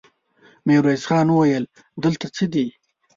ميرويس خان وويل: دلته څه دي؟